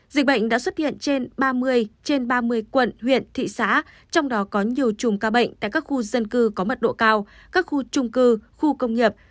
dịch bệnh đã xuất hiện trên ba mươi trên ba mươi quận huyện thị xã trong đó có nhiều chùm ca bệnh tại các khu dân cư có mật độ cao các khu trung cư khu công nghiệp